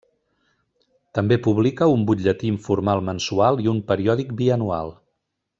També publica un butlletí informatiu mensual i un periòdic bianual.